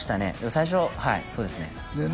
最初はいそうですね